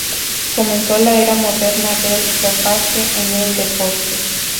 Comenzó la era moderna del dopaje en el deporte.